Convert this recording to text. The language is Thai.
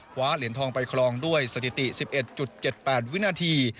เหรียญทองไปครองด้วยสถิติ๑๑๗๘วินาที